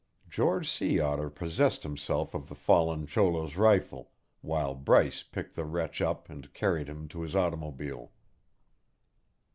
George Sea Otter possessed himself of the fallen cholo's rifle, while Bryce picked the wretch up and carried him to his automobile.